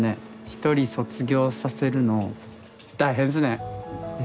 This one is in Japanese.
一人卒業させるの大変ですね。